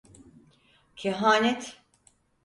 Kehanet…